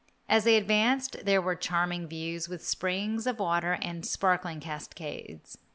As they advanced there were charming views, with springs of water and sparkling cascades.